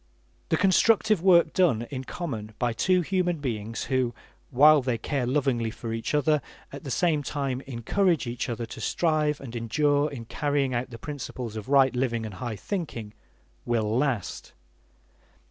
The constructive work done in common by two human beings who, while they care lovingly for each other, at the same time encourage each other to strive and endure in carrying out the principles of right living and high thinking, will last.